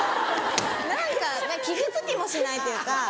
何か傷つきもしないっていうか。